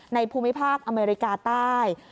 ภูมิภาคอเมริกาใต้